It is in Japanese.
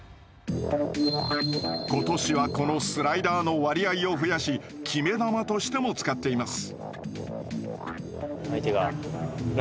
今年はこのスライダーの割合を増やし決め球としても使っています。